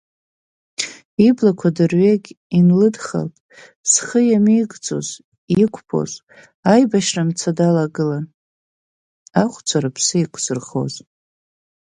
Иблақәа дырҩегь инлыдхалт, зхы иамеигӡаӡоз, иқәԥоз, аибашьра-мца далагыла, ахәцәа рыԥсы еиқәзырхоз.